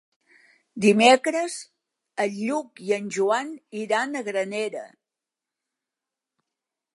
Dimecres en Lluc i en Joan iran a Granera.